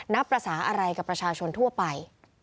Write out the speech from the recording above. นับภาษาอะไรกับประชาชนทั่วไป